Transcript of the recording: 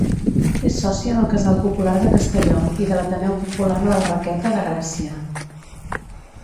És sòcia del Casal Popular de Castelló i de l'Ateneu Popular La Barraqueta de Gràcia.